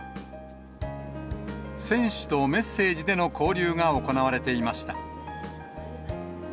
選手とメッセージでの交流が行われていました。